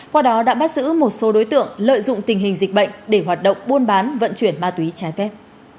qua đó đã bắt giữ một số đối tượng lợi dụng tình hình dịch bệnh để hoạt động buôn bán vận chuyển ma túy trái phép